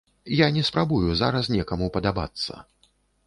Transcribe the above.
Я не спрабую зараз некаму падабацца.